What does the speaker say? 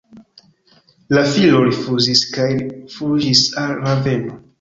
La filo rifuzis kaj fuĝis al Raveno.